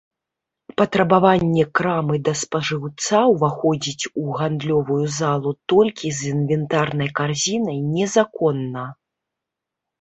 Патрабаванне крамы да спажыўца ўваходзіць у гандлёвую залу толькі з інвентарнай карзінай незаконна.